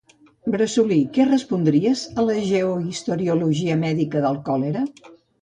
—Bressolí, què respondries a «Geohistoriologia mèdica del còlera»?